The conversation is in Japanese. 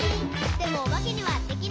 「でもおばけにはできない。」